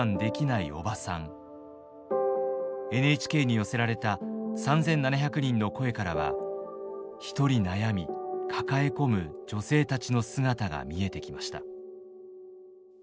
ＮＨＫに寄せられた３，７００人の声からはひとり悩み抱え込む女性たちの姿が見えてきました。